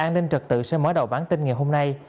an ninh trật tự sẽ mở đầu bản tin ngày hôm nay